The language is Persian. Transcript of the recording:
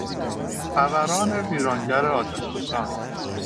فوران ویرانگر آتشفشان